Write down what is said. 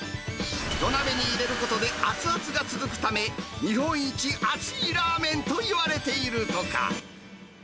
土鍋に入れることで熱々が続くため、日本一熱いラーメンといわれているとか。